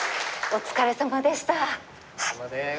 お疲れさまです。